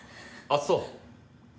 「あっそう」？